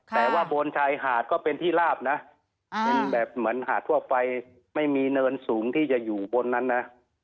แต่ว่าบนชายหาดก็เป็นที่ลาบนะเป็นแบบเหมือนหาดทั่วไปไม่มีเนินสูงที่จะอยู่บนนั้นนะ